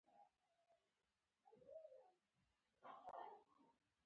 دا قراردادونه اکثراً انحصاري بڼه لري